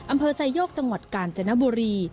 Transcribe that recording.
อำเภอไซโยกจังหวัดกาญจนบุรี